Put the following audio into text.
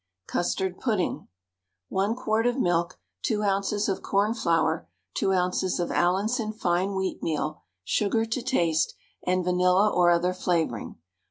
CUSTARD PUDDING. 1 quart of milk, 2 oz. of cornflour, 2 oz. of Allinson fine wheatmeal, sugar to taste, and vanilla or other flavouring.